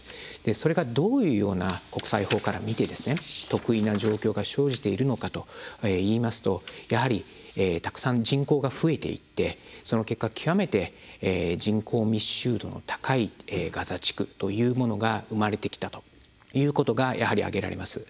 それがどういうような国際法から見て特異な状況が生じているのかといいますと、やはりたくさん人口が増えていってその結果極めて人口密集度の高いガザ地区というものが生まれてきたということが挙げられます。